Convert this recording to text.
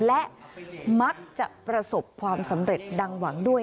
และมักจะประสบความสำเร็จดังหวังด้วย